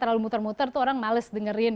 terlalu muter muter tuh orang males dengerin